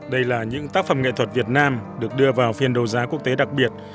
đây là những tác phẩm nghệ thuật việt nam được đưa vào phiên đấu giá quốc tế đặc biệt